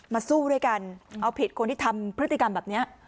สู้ด้วยกันเอาผิดคนที่ทำพฤติกรรมแบบนี้